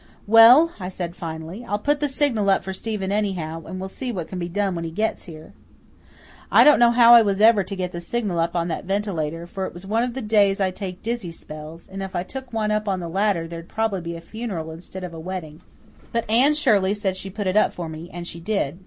"Well," I said finally, "I'll put the signal up for Stephen anyhow, and we'll see what can be done when he gets here." I didn't know how I was ever to get the signal up on that ventilator, for it was one of the days I take dizzy spells; and if I took one up on the ladder there'd probably be a funeral instead of a wedding. But Anne Shirley said she'd put it up for me, and she did.